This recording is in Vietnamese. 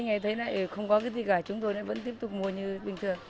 ngày thế này không có cái gì cả chúng tôi vẫn tiếp tục mua như bình thường